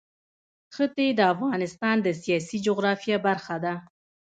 ښتې د افغانستان د سیاسي جغرافیه برخه ده.